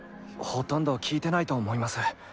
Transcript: ほとんどきいてないと思います。